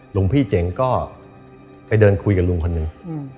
หลวงพี่เจ๋งก็ไปเดินคุยกับลุงคนหนึ่ง